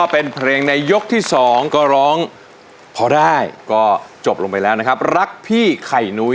โปรดติดตามตอนต่อไป